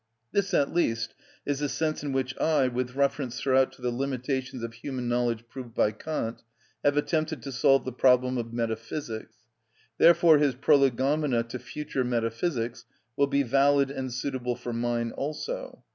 This at least is the sense in which I, with reference throughout to the limitations of human knowledge proved by Kant, have attempted to solve the problem of metaphysics. Therefore his Prolegomena to future metaphysics will be valid and suitable for mine also.